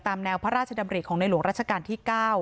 แนวพระราชดำริของในหลวงราชการที่๙